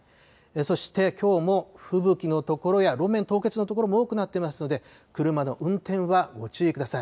そしてきょうも吹雪の所や、路面凍結の所も多くなっていますので、車の運転はご注意ください。